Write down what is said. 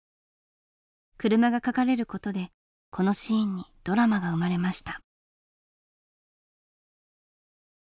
車が描かれる事でこのシーンにドラマが生まれました。